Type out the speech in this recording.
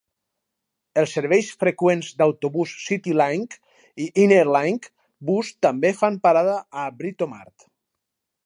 Els serveis freqüents d'autobús City Link i Inner Link bus també fan parada a Britomart.